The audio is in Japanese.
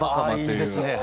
あいいですね。